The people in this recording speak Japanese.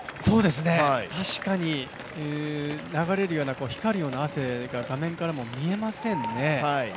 確かに流れるような、光るような汗が画面からも見えませんね。